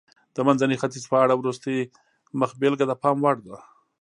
د منځني ختیځ په اړه وروستۍ مخبېلګه د پام وړ ده.